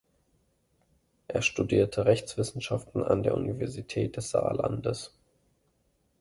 Er studierte Rechtswissenschaften an der Universität des Saarlandes.